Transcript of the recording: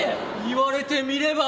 言われてみれば。